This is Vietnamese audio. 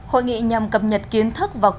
hội nghị nhằm cập nhật kiến thức và quyết định